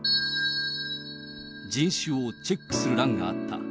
人種をチェックする欄があった。